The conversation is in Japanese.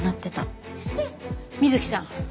美月さん